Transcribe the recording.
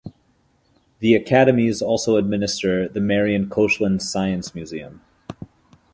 The Academies also administer the Marian Koshland Science Museum.